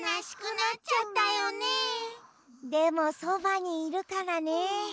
でもそばにいるからね。